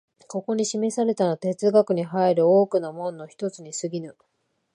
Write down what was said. ここに示されたのは哲学に入る多くの門の一つに過ぎぬ。